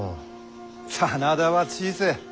真田は小せえ。